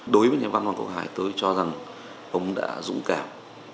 đối với nhà văn hoàng quốc hải tôi cho rằng ông đã dũng cảm